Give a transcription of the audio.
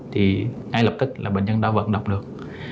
thì ngay lập tức là bệnh nhân đã vận động được